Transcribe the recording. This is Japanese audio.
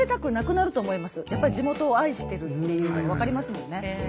やっぱり地元を愛してるっていうの分かりますもんね。